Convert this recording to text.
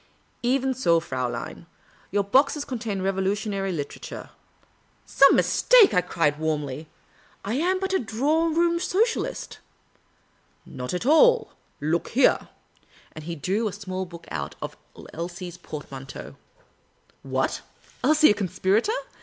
" Even so, Fraulein. Your boxes contain revolutionary literature." " Some mistake !"[ cried, warmly. I am but a drawing room Socialist. " Not at all ; look here." And he drew a .small book out of Elsie's portmanteau. The Urbane Old Gentleman 153 What ? Elsie a conspirator